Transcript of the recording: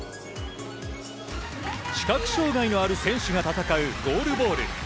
視覚障害のある選手が戦うゴールボール。